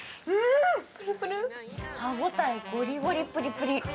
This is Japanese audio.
歯応え、ゴリゴリプリプリ。